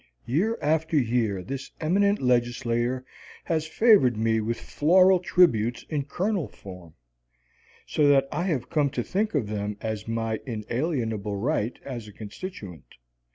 Year after year this eminent legislator has favored me with floral tributes in kernel form, so that I have come to think of them as my inalienable rights as a constituent.